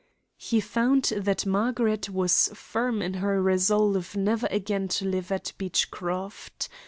He found that Margaret was firm in her resolve never again to live at Beechcroft.